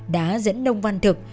đã dẫn đông văn thực